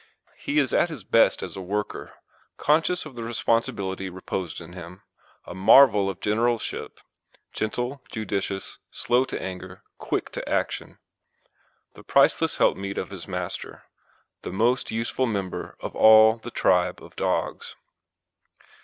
He is at his best as a worker, conscious of the responsibility reposed in him; a marvel of generalship, gentle, judicious, slow to anger, quick to action; the priceless helpmeet of his master the most useful member of all the tribe of dogs.